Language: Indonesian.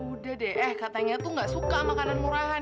udah deh eh katanya tuh gak suka makanan murahan